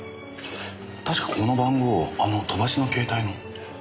確かこの番号あの飛ばしの携帯の。